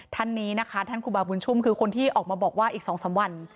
ท่านนี้นะคะท่านครูบาบุญชุ่มคือคนที่ออกมาบอกว่าอีก๒๓วัน